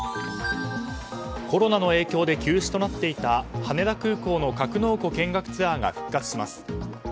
コロナの影響で休止となっていた羽田空港の格納庫見学ツアーが復活します。